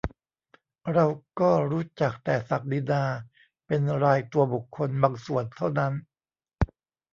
เราก็รู้จักแต่ศักดินาเป็นรายตัวบุคคลบางส่วนเท่านั้น